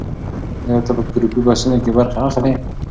ایا ته په ګروپي بحثونو کې برخه اخلې؟